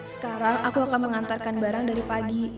sekarang aku akan mengantarkan barang dari pagi